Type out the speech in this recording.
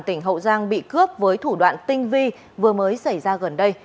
tỉnh hậu giang bị cướp với thủ đoạn tinh vi vừa mới xảy ra gần đây